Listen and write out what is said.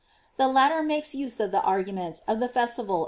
The latter makes use of the argument of the festival * In.